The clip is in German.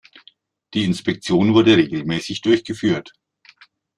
Die Inspektion wurde regelmäßig durchgeführt.